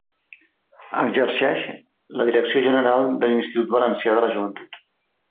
Exerceix la direcció general de l'Institut Valencià de la Joventut.